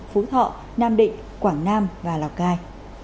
phú thọ nam định quảng nam và lào cai